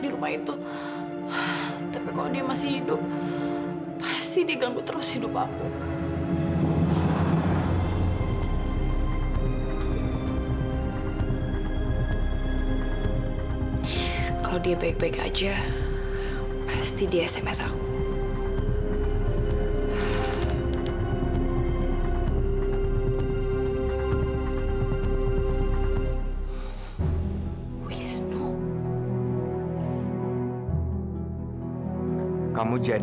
sampai jumpa di video selanjutnya